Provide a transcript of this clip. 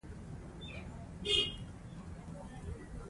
آيا ته د ژباړې په اصولو پوهېږې؟